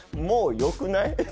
もうよくない？